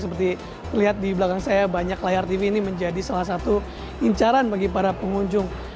seperti lihat di belakang saya banyak layar tv ini menjadi salah satu incaran bagi para pengunjung